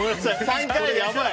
３回、やばい。